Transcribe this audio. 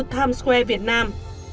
times square việt nam